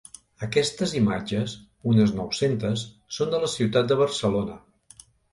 D'aquestes imatges, unes nou-centes són de la ciutat de Barcelona.